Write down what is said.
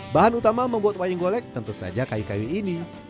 bahan utama membuat wayang golek tentu saja kayu kayu ini